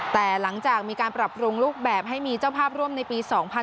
แต่หลังจากมีการปรับปรุงรูปแบบให้มีเจ้าภาพร่วมในปี๒๕๖๒